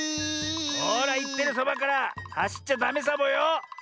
ほらいってるそばからはしっちゃダメサボよ！